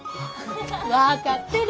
分かってる。